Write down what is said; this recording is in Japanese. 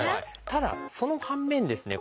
ただその反面ですね